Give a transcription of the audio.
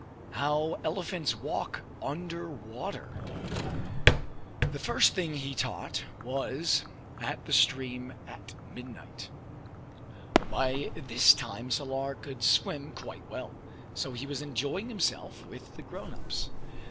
How Elephants Walk under Water The first thing he taught was at the stream at midnight. By this time Salar could swim quite well; so he was enjoying himself with the grown ups.